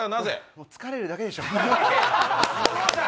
もう疲れるだけでした。